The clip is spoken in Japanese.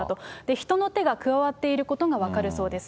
人の手が加わっていることが分かるそうです。